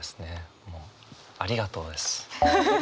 ありがとうです。